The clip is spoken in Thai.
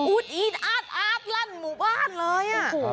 อุ๊ดอินอาดรั่นหมูบ้านเลย